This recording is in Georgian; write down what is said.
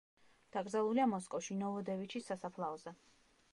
დაკრძალულია მოსკოვში, ნოვოდევიჩის სასაფლაოზე.